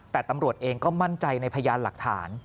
แต่ตำรวจเองก็มั่นใจในพยานหลักฐาน